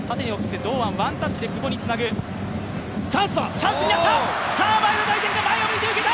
チャンスになった！